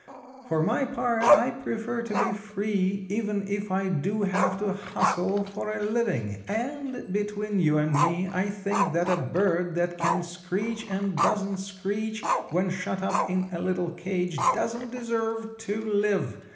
For my part I prefer to be free even if I do have to hustle for a living and, between you and me, I think that a bird that can screech and doesn't screech when shut up in a little cage doesn't deserve to live.